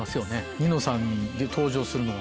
『ニノさん』に登場するのは。